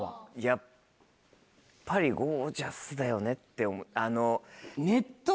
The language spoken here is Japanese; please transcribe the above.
やっぱりゴー☆ジャスだよねって思う。